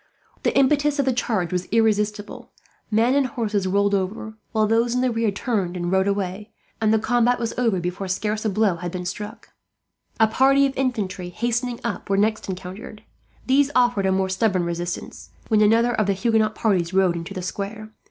The impetus of the charge was irresistible. Men and horses rolled over, while those in the rear turned and rode away; and the combat was over before scarce a blow had been struck. A party of infantry, hastening up, were next encountered. These offered a more stubborn resistance, but threw down their arms and surrendered, when another of the Huguenot parties rode into the square.